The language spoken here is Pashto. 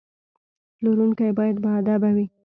پلورونکی باید باادبه وي.